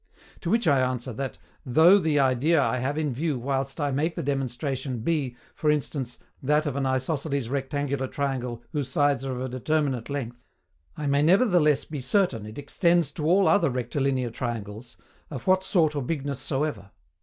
To which I answer, that, though the idea I have in view whilst I make the demonstration be, for instance, that of an isosceles rectangular triangle whose sides are of a determinate length, I may nevertheless be certain it extends to all other rectilinear triangles, of what sort or bigness soever.